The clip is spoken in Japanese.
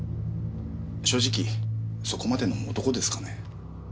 正直そこまでの男ですかね。